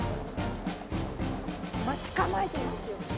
待ち構えてますよ。